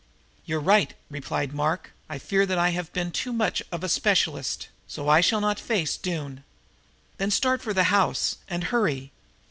"You're right," replied Mark. "I fear that I have been too much of a specialist, so I shall not face Doone." "Then start for the house and hurry!"